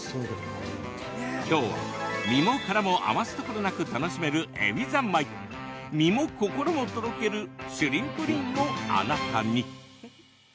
きょうは、身も殻も余すところなく楽しめるえび三昧身も心もとろけるシュリンプリンをあなたに。